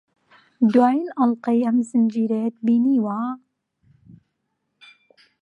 دوایین ئەڵقەی ئەم زنجیرەیەت بینیوە؟